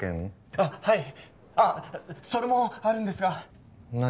あっはいあっそれもあるんですが何？